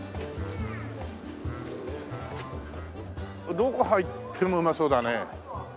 どこ入ってもうまそうだね。